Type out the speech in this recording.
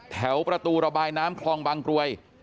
แถวประตูระบายน้ำคลองบางกรวย